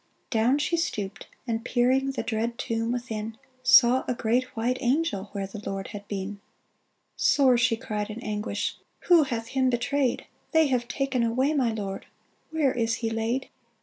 Down she stooped, and peering The dread tomb within, Saw a great white angel Where the Lord had been ! Sore she cried in anguish :*' Who hath him betrayed ? They have taken away my Lord 1 Where is he laid